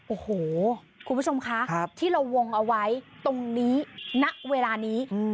โอ้โหคุณผู้ชมคะที่เราวงเอาไว้ตรงนี้ณเวลานี้